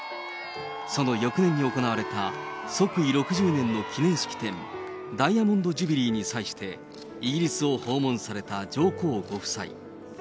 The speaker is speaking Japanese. その翌年に行われた即位６０年の記念式典、ダイヤモンド・ジュビリーに際して、イギリスを訪問された上皇ご夫妻。